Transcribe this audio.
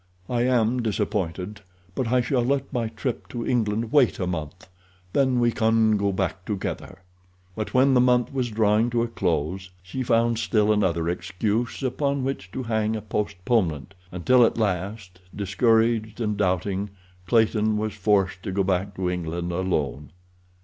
"I am disappointed, but I shall let my trip to England wait a month; then we can go back together." But when the month was drawing to a close she found still another excuse upon which to hang a postponement, until at last, discouraged and doubting, Clayton was forced to go back to England alone.